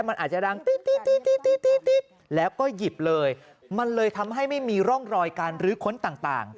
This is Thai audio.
มันอาจจะดังแล้วก็หยิบเลยมันเลยทำให้ไม่มีร่องรอยการรื้อค้นต่าง